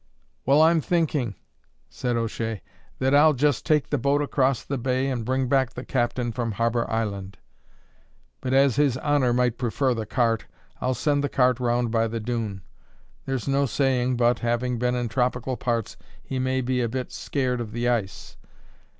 "Well, I'm thinking," said O'Shea, "that I'll just take the boat across the bay, and bring back the captain from Harbour Island; but as his honour might prefer the cart, I'll send the cart round by the dune. There's no saying but, having been in tropical parts, he may be a bit scared of the ice.